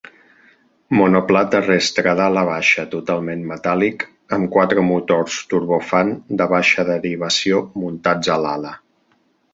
Monoplà terrestre d'ala baixa totalment metàl·lic amb quatre motors turbofan de baixa derivació muntats a l'ala.